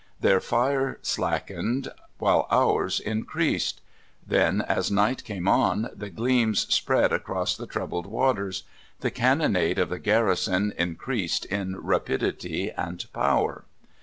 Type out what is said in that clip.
Their fire slackened, while ours increased. Then, as night came on, the gleams spread across the troubled waters; the cannonade of the garrison increased in rapidity and power.